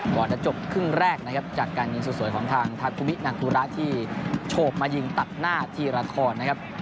ก่อนจะจบครึ่งแรกจากการยิงสวยของทางธาตุวินักุระที่โฉบมายิงตัดหน้าที่ละทอน